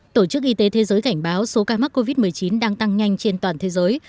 tổ chức y tế thế giới cảnh báo số ca mắc covid một mươi chín đang tăng nhanh trên toàn thế giới